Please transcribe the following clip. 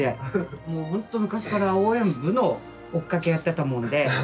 もう本当に昔から応援部の追っかけやってたもんで。